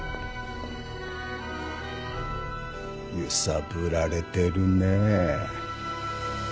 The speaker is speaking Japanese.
揺さぶられてるねぇ。